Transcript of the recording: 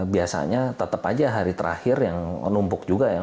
biasanya tetap saja hari terakhir yang numpuk juga